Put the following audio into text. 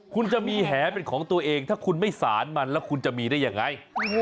คุณจะมีแหเป็นของตัวเองถ้าคุณไม่สารมันแล้วคุณจะมีได้ยังไง